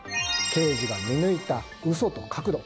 刑事が見抜いた嘘と角度。